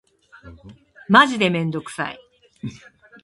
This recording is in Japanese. マジめんどくさい。